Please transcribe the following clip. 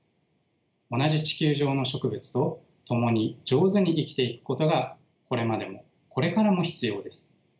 同じ地球上の植物と共に上手に生きていくことがこれまでもこれからも必要です。